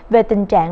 về tình trạng